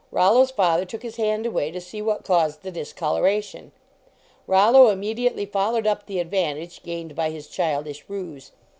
Rollo s father took his hand away to see what caused the discoloration. Rollo immediately followed up the advantage gained by his childish ruse.